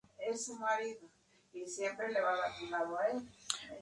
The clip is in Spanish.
Haller contrata a su hermanastro, Bosch para investigar Jessup.